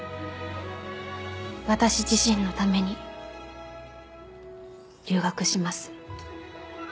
私自身のために留学します。